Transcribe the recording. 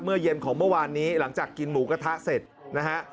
เย็นของเมื่อวานนี้หลังจากกินหมูกระทะเสร็จนะฮะ